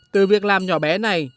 từ việc làm nhỏ bé này